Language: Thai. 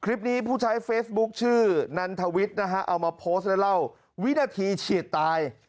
ผู้ใช้เฟซบุ๊คชื่อนันทวิทย์นะฮะเอามาโพสต์และเล่าวินาทีเฉียดตาย